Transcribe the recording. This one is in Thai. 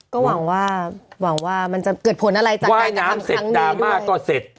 ก็หวังว่าหวังว่ามันจะเกิดผลอะไรจากว่ายน้ำเสร็จดราม่าก็เสร็จ